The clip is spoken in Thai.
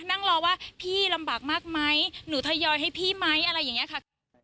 นั่งรอว่าพี่ลำบากมากไหมหนูทยอยให้พี่ไหมอะไรอย่างนี้ค่ะ